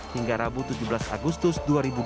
hingga rabu tujuh belas agustus dua ribu dua puluh